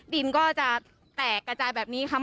ดินก็จะแตกกระจายแบบนี้ค่ะ